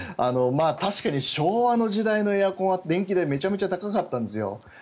確かに昭和の時代のエアコンは電気代、めちゃめちゃ高かったんですよ。